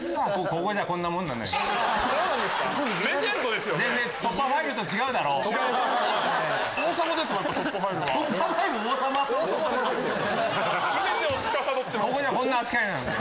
ここじゃこんな扱いなんだよ。